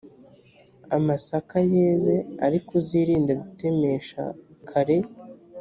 amasaka yeze ariko uzirinde gutemesha kare